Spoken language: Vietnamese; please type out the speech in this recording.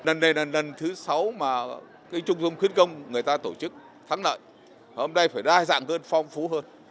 lần này là lần thứ sáu mà trung tâm khuyến công người ta tổ chức thắng lợi hôm nay phải đa dạng hơn phong phú hơn